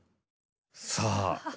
さあ